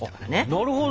なるほど。